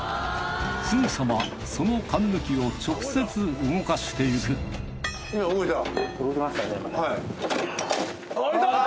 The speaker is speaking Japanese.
すぐさまそのカンヌキを直接動かしていく動いた。